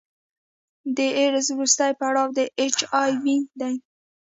د ایډز وروستی پړاو د اچ آی وي دی.